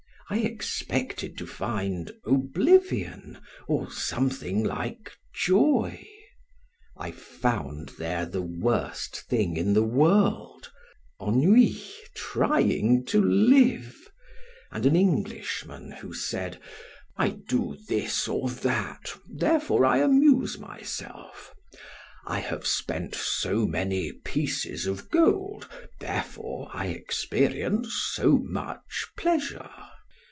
I expected to find oblivion or something like joy; I found there the worst thing in the world, ennui trying to live, and an Englishman who said: "I do this or that, therefore I amuse myself. I have spent so many pieces of gold, therefore I experience so much pleasure."